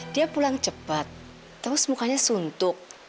dia pulang cepat terus mukanya suntuk